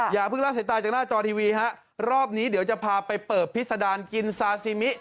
อย่าเพิ่งเล่าใส่ตาจากหน้าจอทีวีฮะรอบนี้เดี๋ยวจะพาไปเปิดพิษดารกินซาซิมิ